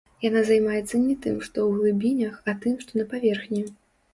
Яна займаецца не тым, што ў глыбінях, а тым, што на паверхні.